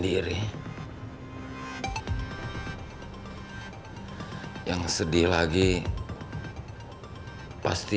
tapi tali baguslah itu juga termeja kepadaku